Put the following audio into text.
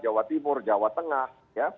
jawa timur jawa tengah